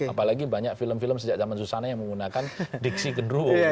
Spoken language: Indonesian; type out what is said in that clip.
apalagi banyak film film sejak zaman susana yang menggunakan diksi gendruwo